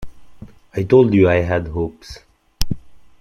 I told you I had hopes.